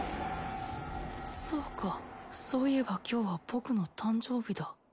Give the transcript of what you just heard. そうかそういえば今日は僕の誕生日だ。